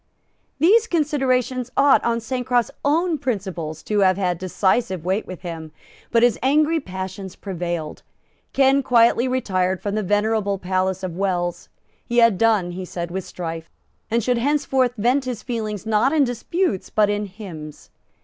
These considerations ought, on Sancroft's own principles, to have had decisive weight with him; but his angry passions prevailed. Ken quietly retired from the venerable palace of Wells. He had done, he said, with strife, and should henceforth vent his feelings not in disputes but in hymns.